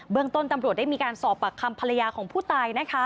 เบื้องต้นตำรวจได้มีการสอบประคัมภรรยาของผู้ตาย